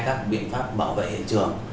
các biện pháp bảo vệ hiện trường